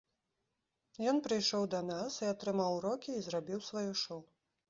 Ён прыйшоў да нас і атрымаў урокі і зрабіў сваё шоў.